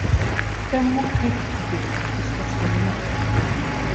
Then what good is it discussing the matter?